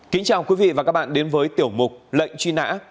kính chào quý vị và các bạn đến với tiểu mục lệnh truy nã